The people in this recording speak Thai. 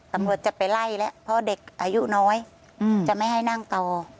ตำรวจจะไปไล่แล้วเพราะเด็กอายุน้อยจะไม่ให้นั่งต่อ